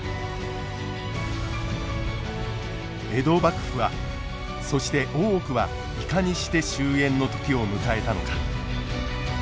江戸幕府はそして大奥はいかにして終えんの時を迎えたのか。